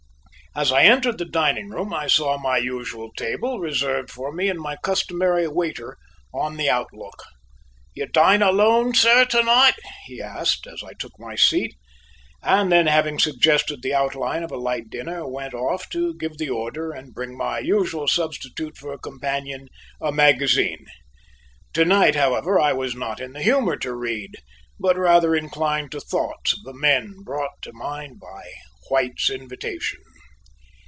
As I entered the dining room, I saw my usual table reserved for me and my customary waiter on the outlook. "You dine alone, sir, to night?" he asked, as I took my seat, and then having suggested the outline of a light dinner, went off to give the order and bring my usual substitute for a companion, a magazine. To night, however, I was not in the humor to read, but rather inclined to thoughts of the men brought to mind by White's invitation.